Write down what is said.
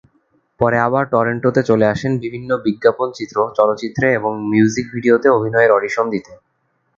পরে আবার টরন্টোতে চলে আসেন বিভিন্ন বিজ্ঞাপন চিত্র, চলচ্চিত্রে, এবং মিউজিক ভিডিও তে অভিনয়ের অডিশন দিতে।